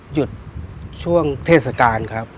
หยุดช่วงเทศกาลครับ